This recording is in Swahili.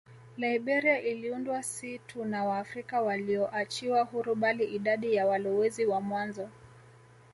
Liberia iliundwa si tu na Waafrika walioachiwa huru bali idadi ya walowezi wa mwanzo